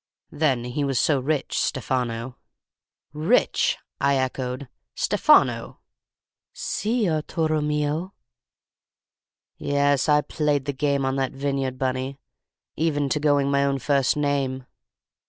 Then he was so rich, Stefano. "'Rich!' I echoed. 'Stefano?' "'Si, Arturo mio.' "Yes, I played the game on that vineyard, Bunny, even to going my own first name.